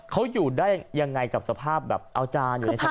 เขาอยู่ได้ยังไงกับสภาพแบบเอาจานอยู่ในส